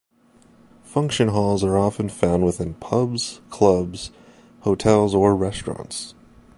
Function halls are often found within pubs, clubs, hotels, or restaurants.